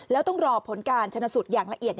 แล้วต้องรอผลการชนะสูตรอย่างละเอียด